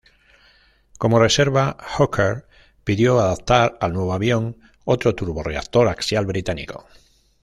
Como reserva, Hawker pidió adaptar al nuevo avión otro turborreactor axial británico.